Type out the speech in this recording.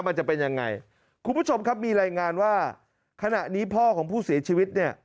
มันจะเป็นยังไงคุณผู้ชมครับมีรายงานว่าขณะนี้พ่อของผู้เสียชีวิตเนี่ย